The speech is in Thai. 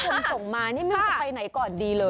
อย่างที่ทุกคนส่งมานี่นึกไปไหนก่อนดีเลย